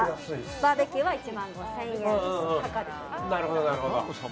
バーベキューは１万５０００円かかると。